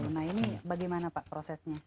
nah ini bagaimana pak prosesnya